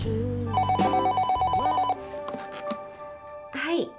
☎はい。